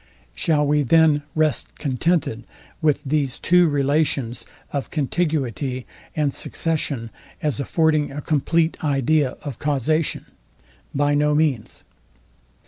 Shall we then rest contented with these two relations of contiguity and succession, as affording a complete idea of causation? By, no means.